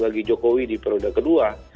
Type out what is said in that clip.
bagi jokowi di periode kedua